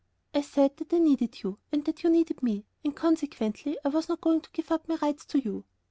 "I said that I needed you and that you needed me, and consequently I was not going to give up my rights to you.